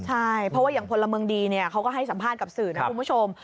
ใช่เพราะว่าอย่างพลเมืองดีเขาก็ให้สัมภาษณ์กับสื่อนะคุณผู้ชม